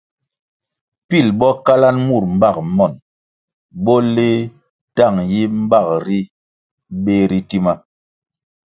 Pil bo kalanʼ bur mbag monʼ, bo leh tang yi mbag ri beh ri tima.